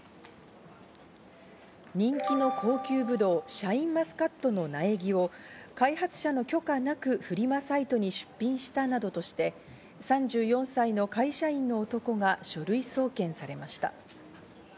人気の高級ブドウ、シャインマスカットの苗木を開発者の許可なくフリマサイトに出品したなどとして、３４歳の会社員の男が書類送検されました。